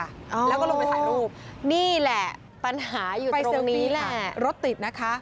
แล้วก็ลงไปสายรูปไปเซลฟีค่ะรถติดนะคะนี่แหละปัญหาอยู่ตรงนี้แหละ